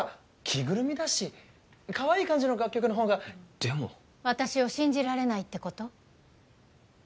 着ぐるみだしかわいい感じの楽曲の方がでも私を信じられないってこと？